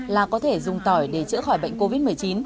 là có thể dùng tỏi để chữa khỏi bệnh covid một mươi chín